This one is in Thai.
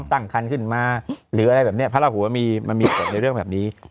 พร้อมตั้งคันขึ้นมาหรืออะไรแบบนี้พระราชหัวมีเกิดในเรื่องแบบนี้